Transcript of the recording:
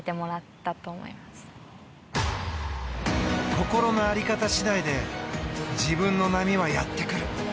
心の在り方次第で自分の波はやってくる。